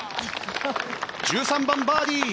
１３番、バーディー。